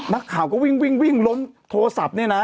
มักข่าก็วิ่งร้นโทรศัพท์เนี่ยนะ